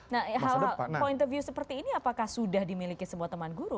nah hal hal point of view seperti ini apakah sudah dimiliki semua teman guru